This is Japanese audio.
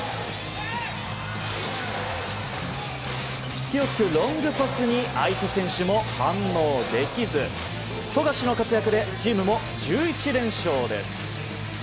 隙を突くロングパスに相手選手も反応できず富樫の活躍でチームも１１連勝です。